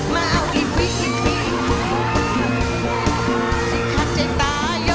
มาเอาอิปปี่อิปปี่อิปปี่อิปปี่แร่อาย